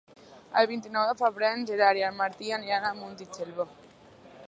El vint-i-nou de febrer en Gerard i en Martí aniran a Montitxelvo.